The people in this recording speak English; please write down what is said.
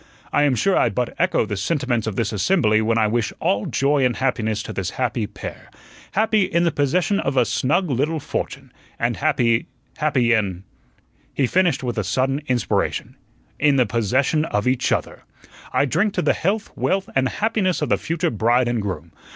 I am sure I but echo the sentiments of this assembly when I wish all joy and happiness to this happy pair, happy in the possession of a snug little fortune, and happy happy in " he finished with a sudden inspiration "in the possession of each other; I drink to the health, wealth, and happiness of the future bride and groom.